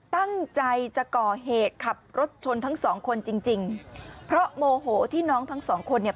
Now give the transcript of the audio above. ตั้งใจจะก่อเหตุขับรถชนทั้งสองคนจริงจริงเพราะโมโหที่น้องทั้งสองคนเนี่ย